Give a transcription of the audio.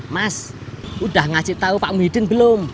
mas udah ngasih tahu pak muhyiddin belum